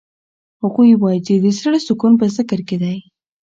هغوی وایي چې د زړه سکون په ذکر کې دی.